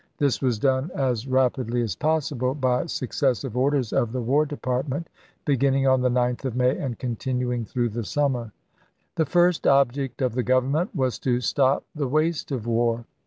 This was done as rapidly as possible, by successive orders of the War Department, beginning on the 9th of May and lses. continuing through the summer. The first object of the Government was to stop the waste of war.